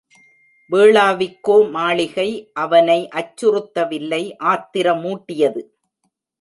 வேளாவிக்கோ மாளிகை அவனை அச்சுறுத்தவில்லை ஆத்திரமூட்டியது.